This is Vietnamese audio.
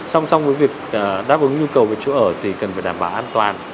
song song với việc đáp ứng nhu cầu về chỗ ở thì cần phải đảm bảo an toàn